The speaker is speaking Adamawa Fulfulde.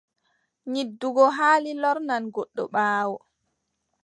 Yiddugo haali lornan goɗɗo ɓaawo.